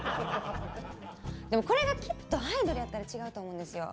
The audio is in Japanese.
でもこれがきっとアイドルやったら違うと思うんですよ。